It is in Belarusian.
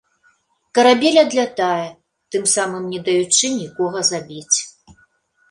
Карабель адлятае, тым самым не даючы нікога забіць.